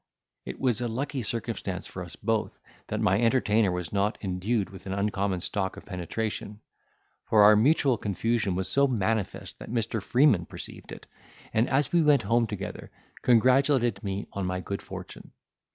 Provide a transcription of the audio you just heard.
It was a lucky circumstance for us both, that my entertainer was not endued with an uncommon stock of penetration; for our mutual confusion was so manifest that Mr. Freeman perceived it, and as we went home together, congratulated me on my good fortune.